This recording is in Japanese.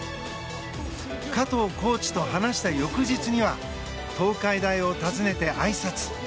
加藤コーチと話した翌日には東海大を訪ねてあいさつ。